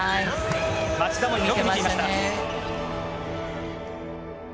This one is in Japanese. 町田もよく見ていました。